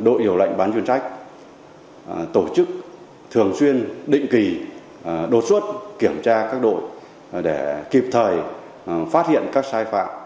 đội điều lệnh bán chuyên trách tổ chức thường xuyên định kỳ đột xuất kiểm tra các đội để kịp thời phát hiện các sai phạm